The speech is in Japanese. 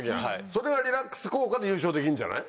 それがリラックス効果で優勝できんじゃない？